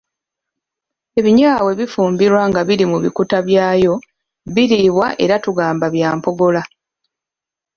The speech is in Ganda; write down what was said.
Ebinyeebwa bwe bifumbibwa nga biri mu bikuta byabyo biriibwa era tugamba bya mpogola.